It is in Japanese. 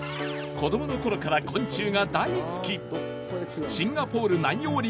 子どものころから昆虫が大好き。